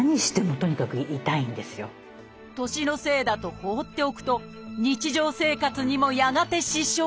年のせいだと放っておくと日常生活にもやがて支障が。